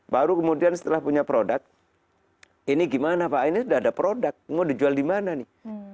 baru kemudian setelah punya produk ini gimana pak ini sudah ada produk mau dijual di mana nih